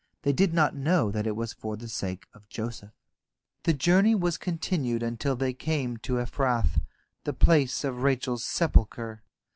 They did not know that it was for the sake of Joseph. The journey was continued until they came to Ephrath, the place of Rachel's sepulchre.